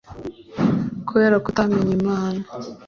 kubera ko utamenye Imana